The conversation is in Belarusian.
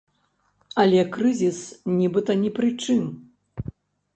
Але крызіс нібыта ні пры чым.